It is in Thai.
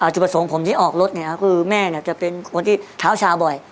จุดประสงค์ผมที่ออกรถคือแม่จะเป็นคนที่เท้าชาบ่อย